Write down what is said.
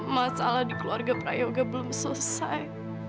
masalah di keluarga prayoga belum selesai